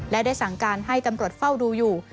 และได้สั่งการให้ตำรวจเฝ้าดูอยู่